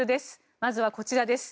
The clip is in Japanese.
まずはこちらです。